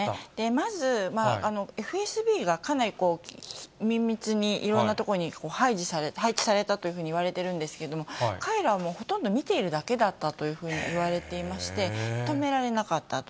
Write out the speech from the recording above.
まず、ＦＳＢが、かなり綿密にいろんな所に配置されたというふうにいわれてるんですけれども、彼らはほとんど見ているだけだったというふうにいわれていまして、止められなかったと。